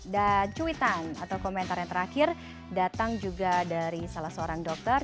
dan cuitan atau komentar yang terakhir datang juga dari salah seorang dokter